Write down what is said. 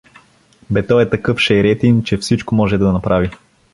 — Бе той е такъв шейретин, че всичко може да направи.